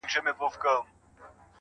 زما گراني مهرباني گلي ,